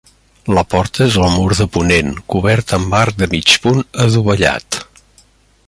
La porta és al mur de ponent, coberta amb arc de mig punt adovellat.